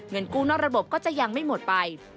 เงินกู้นอกระบบก็จะยังไม่หมดไป